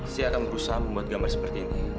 saya akan berusaha membuat gambar seperti ini